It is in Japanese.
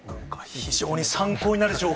非常に参考になる情報、